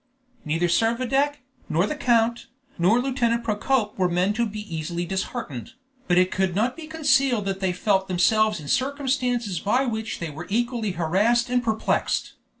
Neither Servadac, nor the count, nor Lieutenant Procope were men to be easily disheartened, but it could not be concealed that they felt themselves in circumstances by which they were equally harassed and perplexed.